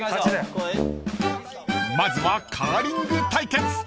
［まずはカーリング対決］